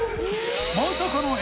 まさかのえ